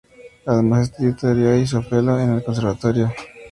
Además estudió teoría y solfeo en el Conservatorio López Buchardo.